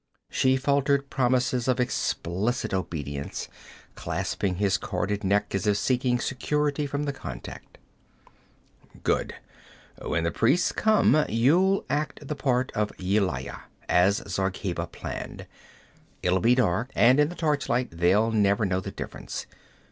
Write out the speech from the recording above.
She faltered promises of explicit obedience, clasping his corded neck as if seeking security from the contact. 'Good. When the priests come, you'll act the part of Yelaya, as Zargheba planned it'll be dark, and in the torchlight they'll never know the difference.